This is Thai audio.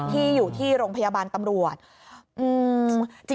ที่อยู่ที่โรงพยาบาลตำรวจ